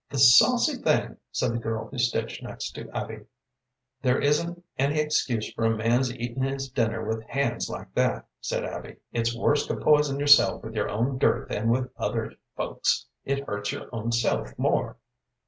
"The saucy thing!" said the girl who stitched next to Abby. "There isn't any excuse for a man's eating his dinner with hands like that," said Abby. "It's worse to poison yourself with your own dirt than with other folks'. It hurts your own self more."